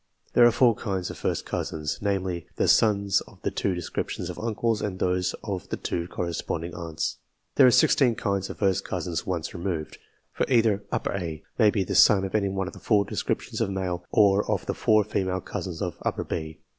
There are four kinds of first cousins, namely, the sons of the two descriptions of uncles and those of the two cor responding aunts. There are sixteen kinds of first cousins " once removed," for either A. may be the son of any one of the four descriptions of male or of the four female cousins of B.